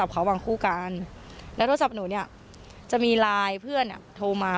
ไปไหนละทีเนี่ยจะไปไหนได้